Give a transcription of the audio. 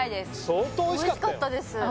相当おいしかったよあっ